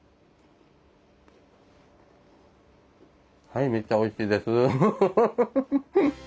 はいめっちゃおいしいです。